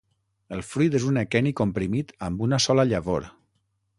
El fruit és un aqueni comprimit amb una sola llavor.